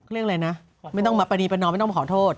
เรื่องอะไรนะไม่ต้องมาปฏิบันดอมไม่ต้องมาขอโทษ